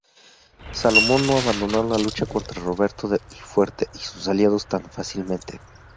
Salomón no abandonó la lucha contra Roberto el Fuerte y sus aliados tan fácilmente.